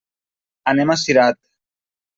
Anem a Cirat.